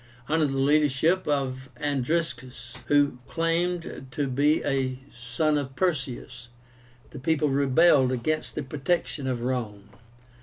Under the leadership of ANDRISCUS, who claimed to be a son of Perseus, the people rebelled against the protection of Rome.